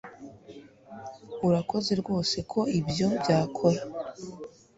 Urakoze rwose ko ibyo byakora